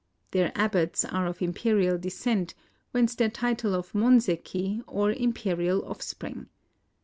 Their abbots are of Imperial descent, whence their title of Monzeki, or Imperial Offspring.